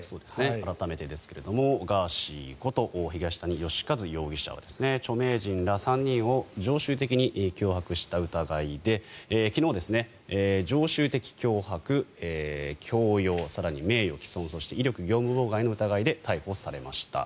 改めてですがガーシーこと東谷義和容疑者は著名人ら３人を常習的に脅迫した疑いで昨日、常習的脅迫、強要更に名誉毀損そして、威力業務妨害の疑いで逮捕されました。